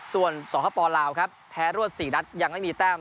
ส่วนสปลาวครับแพ้รวด๔นัดยังไม่มีแต้ม